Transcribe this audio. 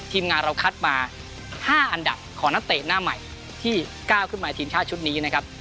ทีมงานเราคัดมา๕อันดับของนักเตะหน้าใหม่ที่ก้าวขึ้นมาทีมชาติชุดนี้นะครับ